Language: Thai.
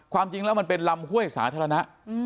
ความจริงแล้วมันเป็นลำห้วยสาธารณะ